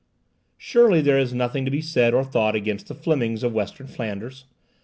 Surely there is nothing to be said or thought against the Flemings of Western Flanders.